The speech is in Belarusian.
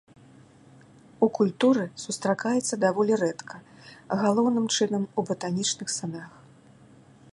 У культуры сустракаецца даволі рэдка, галоўным чынам у батанічных садах.